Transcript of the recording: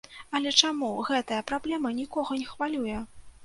Але чаму гэтая праблема нікога не хвалюе?